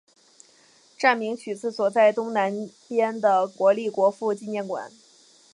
站名取自所在地东南边的国立国父纪念馆。